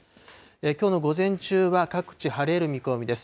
きょうの午前中は、各地、晴れる見込みです。